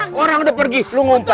kayak batang udah pergi lo ngumpet